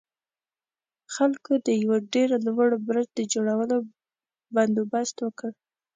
خلکو د يوه ډېر لوړ برج د جوړولو بندوبست وکړ.